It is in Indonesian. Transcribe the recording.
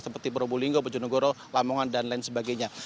seperti probulinggo pejunogoro lamongan dan lain sebagainya